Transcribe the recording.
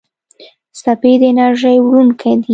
څپې د انرژۍ وړونکي دي.